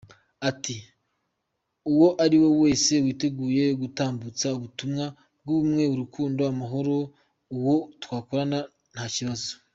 Ati “Uwo ariwe wese witeguye gutambutsa ubutumwa bw’ubumwe, urukundo, amahoro, uwo twakorana ntakibazo.